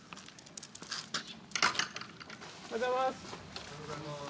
おはようございます。